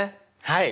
はい。